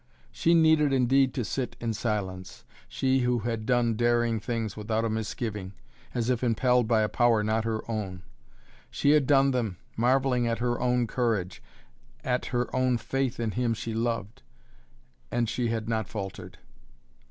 She needed indeed to sit in silence, she who had done daring things without a misgiving, as if impelled by a power not her own. She had done them, marvelling at her own courage, at her own faith in him she loved, and she had not faltered.